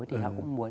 thì họ cũng muốn